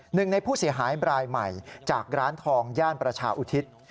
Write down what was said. หนึ่งในผู้เสียหายบรายใหม่จากร้านทองย่านประชาอุทิศ